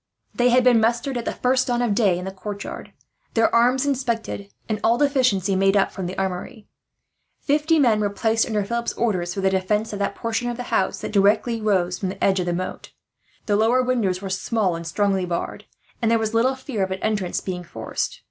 They had been mustered at the first dawn of day in the courtyard, their arms inspected, and all deficiencies made up from the armoury. Fifty men were placed under Philip's orders, for the defence of that portion of the house that rose directly from the edge of the moat. The lower windows were small and strongly barred, and there was little fear of an entrance being forced.